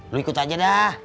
lu ikut aja dah